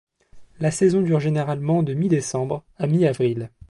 La saison dure généralement de mi-décembre à mi avril.